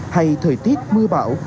hay thời tiết mưa bão